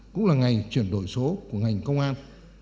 cũng là ngày chuyển đổi số của ngành công an